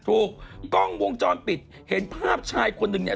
กล้องวงจรปิดเห็นภาพชายคนนึงเนี่ย